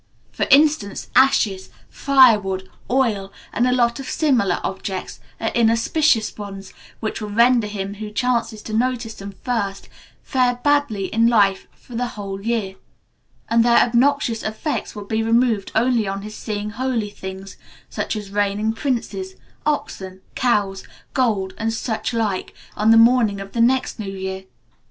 For instance, ashes, firewood, oil, and a lot of similar objects, are inauspicious ones, which will render him who chances to notice them first fare badly in life for the whole year, and their obnoxious effects will be removed only on his seeing holy things, such as reigning princes, oxen, cows, gold, and such like, on the morning of the next new year.